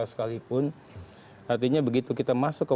sekalipun artinya begitu kita masuk ke